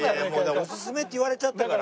おすすめって言われちゃったから。